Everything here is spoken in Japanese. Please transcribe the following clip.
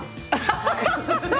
ハハハハ！